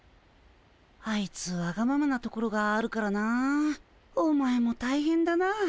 あいつわがままなところがあるからなお前も大変だな。